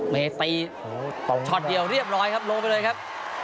เมตีช็อตเดียวเรียบร้อยครับลงไปเลยครับ